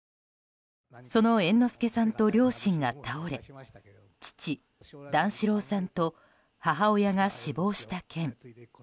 その猿之助さんと両親が倒れ父・段四郎さんと母親が死亡した件。